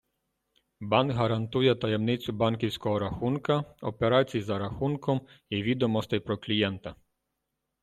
Банк гарантує таємницю банківського рахунка, операцій за рахунком і відомостей про клієнта.